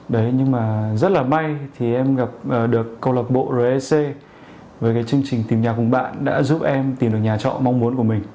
đấy nhưng mà rất là may thì em gặp được câu lạc bộ rec với cái chương trình tìm nhà cùng bạn đã giúp em tìm được nhà trọ mong muốn của mình